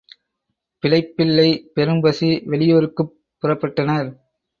பிழைப்பில்லை பெரும்பசி—வெளியூருக்குப் புறப்பட்டனர்.